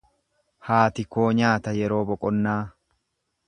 Haati koo nyaata yeroo boqonnaa.